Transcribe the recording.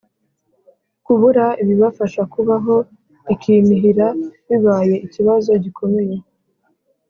kubura ibibafasha kubaho i Kinihira bibaye ikibazo gikomeye